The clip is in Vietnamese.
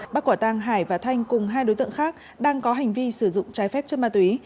bắt quả tang hải và thanh cùng hai đối tượng khác đang có hành vi sử dụng trái phép chất ma túy